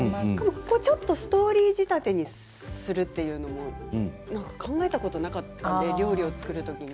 ちょっとストーリー仕立てにするというのも考えたことがなかったので料理を作るときに。